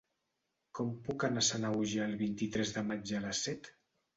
Com puc anar a Sanaüja el vint-i-tres de maig a les set?